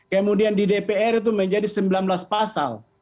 kemudian di dpr itu menjadi sembilan belas pasal